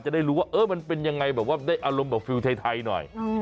จะได้รู้ว่ามันเป็นยังไงแบบว่าได้อารมณ์แบบฟิลไทยหน่อย